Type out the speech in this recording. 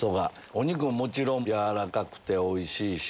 お肉ももちろん軟らかくておいしいし。